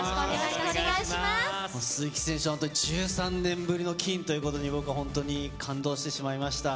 鈴木選手、１３年ぶりの金ということで本当に感動してしまいました。